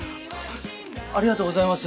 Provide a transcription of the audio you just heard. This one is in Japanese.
ありがとうございます！